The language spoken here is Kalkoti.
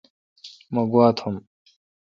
مہ گوا تھوم۔